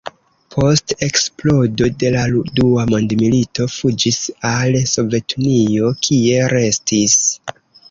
Post eksplodo de la dua mondmilito fuĝis al Sovetunio, kie restis.